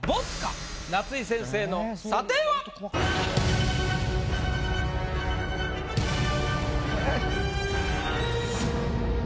夏井先生の査定は⁉お願い。